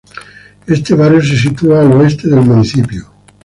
Este barrio se sitúa al oeste del municipio.